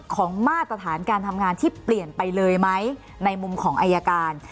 มาตรฐานการทำงานที่เปลี่ยนไปเลยไหมในมุมของอายการ